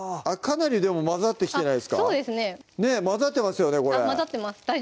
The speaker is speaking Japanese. かなりでも混ざってきてないですか混ざってますよねこれ混ざってます